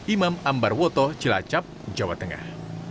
imam ambar woto cilacap jawa tengah